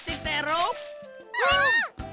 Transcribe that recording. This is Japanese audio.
うん！